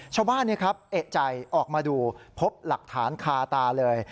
ชาวบ้านเอกใจออกมาดูพบหลักฐานคาตาเลย